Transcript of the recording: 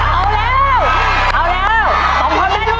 เอาแล้วเอาแล้วสมพันธ์แม่ลูกช่วยกันแล้ว